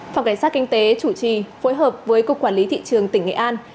phòng cảnh sát kinh tế chủ trì phối hợp với cục quản lý thị trường tỉnh nghệ an